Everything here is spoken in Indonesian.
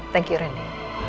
thank you randy